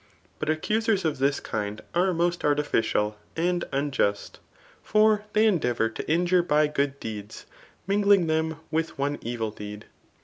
But accusers of thi$ kind are most artificial and unjust ; for they endeavour to injure by good deeds, mingling them with one evil deed.